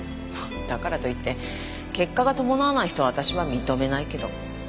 だからといって結果が伴わない人を私は認めないけど。